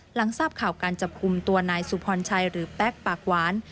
หลังทราบข่าวการจับกลุ่มตัวนายสุพรชัยหรือแป๊กปากหวาน